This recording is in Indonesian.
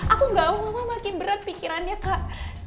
aku gak mau makin berat pikirannya kak